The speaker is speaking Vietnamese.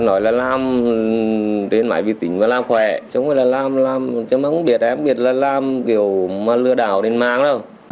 nói là làm tên mãi vì tỉnh và làm khỏe chứ không biết làm lừa đảo đến mang đâu